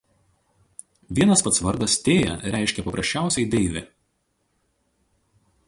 Vienas pats vardas Tėja reiškia paprasčiausiai „deivė“.